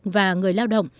và người lao động